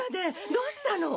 どうしたの？